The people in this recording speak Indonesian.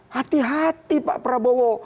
hati hati pak prabowo